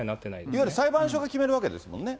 いわゆる裁判所が決めるわけですもんね。